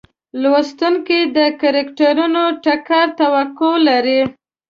لوستونکي د کرکټرونو ټکر توقع لري.